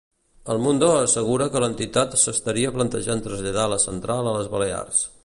El Mundo'assegura que l'entitat s'estaria plantejant traslladar la central a les Balears.